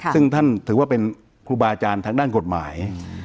ซึ่งท่านถือว่าเป็นครูบาอาจารย์ทางด้านกฎหมาย